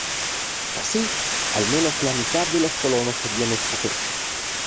Así, al menos la mitad de los colonos serían escoceses.